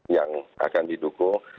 yang akan didukung